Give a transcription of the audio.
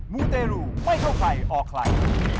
มูเตรูไม่เข้าใครออกใคร